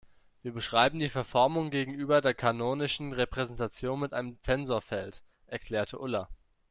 Wir beschreiben die Verformung gegenüber der kanonischen Repräsentation mit einem Tensorfeld, erklärte Ulla.